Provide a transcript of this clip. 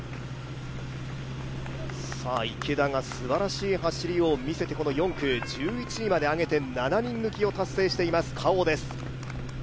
池田がすばらしい走りを見せて４区、１１位まで上げて７人抜きを達成しています、Ｋａｏです。